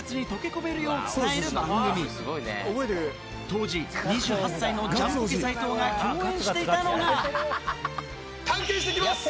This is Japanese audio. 当時２８歳のジャンポケ・斉藤が共演していたのが探検して来ます！